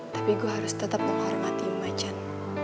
tapi gue harus tetap menghormati macan